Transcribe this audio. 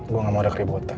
gue nggak mau ada keributan